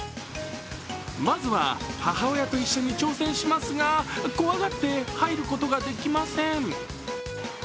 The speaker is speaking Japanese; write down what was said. まずは、母親と一緒に挑戦しますが怖がって入ることができません。